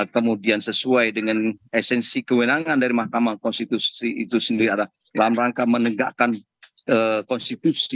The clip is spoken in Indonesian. kemudian sesuai dengan esensi kewenangan dari mahkamah konstitusi itu sendiri adalah dalam rangka menegakkan konstitusi